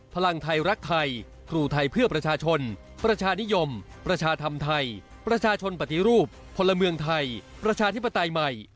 พลังไทยรักไทยครูไทยเพื่อประชาชนประชานิยมประชาธรรมไทยประชาชนปฏิรูปพลเมืองไทยประชาธิปไตยใหม่